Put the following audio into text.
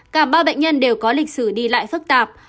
cả ba bệnh nhân đều có lịch sử đi lại phức tạp